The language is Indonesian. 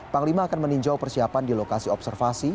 panglima akan meninjau persiapan di lokasi observasi